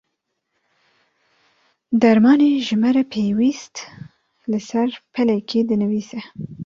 Dermanê ji me re pêwîst li ser pelekê dinivîse.